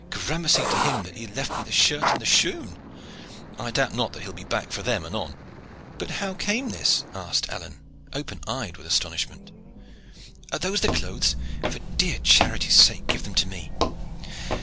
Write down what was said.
Gramercy to him that he left me the shirt and the shoon. I doubt not that he will be back for them anon." "But how came this?" asked Alleyne, open eyed with astonishment. "Are those the clothes? For dear charity's sake give them to me.